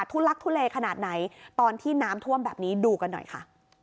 ลักทุเลขนาดไหนตอนที่น้ำท่วมแบบนี้ดูกันหน่อยค่ะ